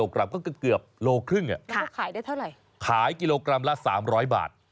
ขายกิโลกรัมละ๓๐๐บาท